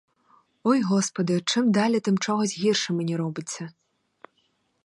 Ой господи, чим далі, тим чогось гірше мені робиться.